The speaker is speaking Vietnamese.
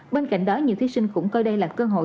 bên cạnh đó nhiều thí sinh cũng coi đây là cơ hội